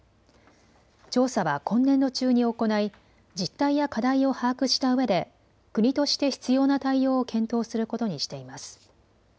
調査は今年度中に行い実態や課題を把握したうえで国として必要な対応を検討することにしています。